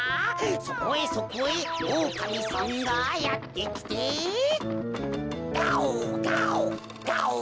そこへそこへおおかみさんがやってきてガオガオガオ！